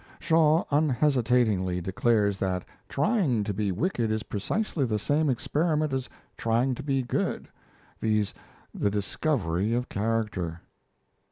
Shaw unhesitatingly declares that trying to be wicked is precisely the same experiment as trying to be good, viz., the discovery of character.